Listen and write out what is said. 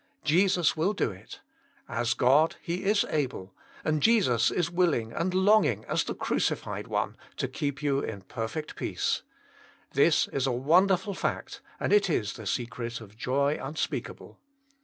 Jesus will do it; as God, He is able, and Jesus is willing and longing as the Crucified One to keep you in perfect peace. This is a won derful fact, and it is the secret of joy unspeakable.